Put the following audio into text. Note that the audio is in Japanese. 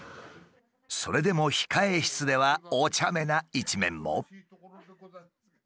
それでも控え室ではおちゃめな一面も。